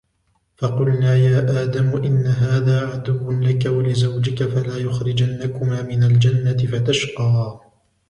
فَقُلْنَا يَا آدَمُ إِنَّ هَذَا عَدُوٌّ لَكَ وَلِزَوْجِكَ فَلَا يُخْرِجَنَّكُمَا مِنَ الْجَنَّةِ فَتَشْقَى